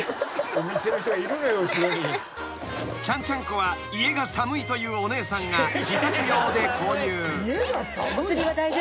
［ちゃんちゃんこは家が寒いというお姉さんが自宅用で購入］